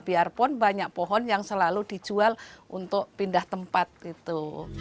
biarpun banyak pohon yang selalu dijual untuk pindah tempat gitu